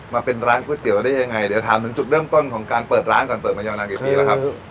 มาเป็นร้านก๋วยเตี๋ยวได้ยังไงเดี๋ยวถามถึงจุดเริ่มต้นของการเปิดร้านก่อนเปิดมายาวนานกี่ปีแล้วครับ